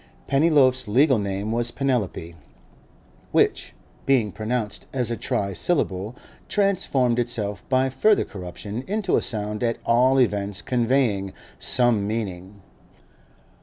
Pennyloaf's legal name was Penelope, which, being pronounced as a trisyllable, transformed itself by further corruption into a sound at all events conveying some meaning.